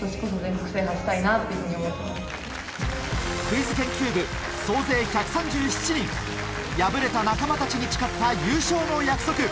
クイズ研究部総勢１３７人敗れた仲間たちに誓った優勝の約束